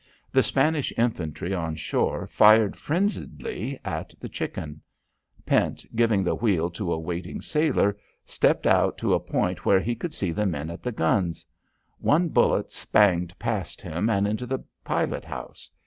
The Spanish infantry on shore fired frenziedly at the Chicken. Pent, giving the wheel to a waiting sailor, stepped out to a point where he could see the men at the guns. One bullet spanged past him and into the pilot house.